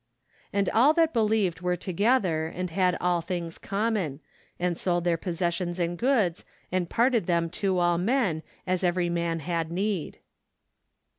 " And all that believed were together , and had all things common ; And sold their possessions and goods, and parted them to all men, as every man had need.'